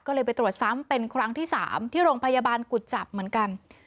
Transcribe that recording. ก็เลยไปตรวจซ้ำเป็นครั้งที่๓ที่โรงพยาบาลกุจจับเหมือนกัน